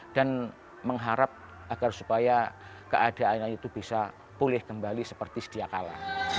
dan mengharap agar supaya keadaan itu bisa pulih kembali seperti sediakala